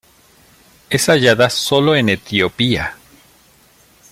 Es hallada solo en Etiopía.